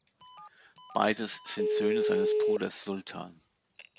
Beides sind Söhne seines Bruders Sultan.